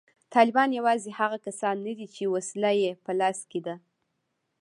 طالبان یوازې هغه کسان نه دي چې وسله یې په لاس کې ده